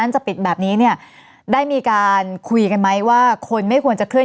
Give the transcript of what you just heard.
จะปิดแบบนี้เนี่ยได้มีการคุยกันไหมว่าคนไม่ควรจะเคลื่อ